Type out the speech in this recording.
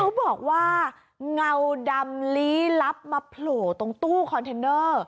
เขาบอกว่าเงาดำลี้ลับมาโผล่ตรงตู้คอนเทนเนอร์